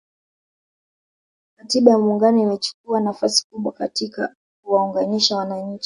Katiba ya Muungano imechukuwa nafasi kubwa katika kuwaunganisha wananchi